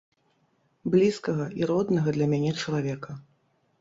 Блізкага і роднага для мяне чалавека.